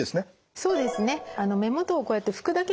そうですね。